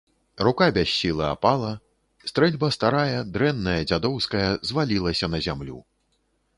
Рука без сілы апала, стрэльба старая, дрэнная, дзядоўская, звалілася на зямлю.